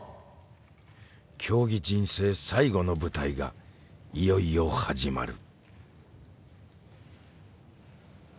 競技人生最後の舞台がいよいよ始まる。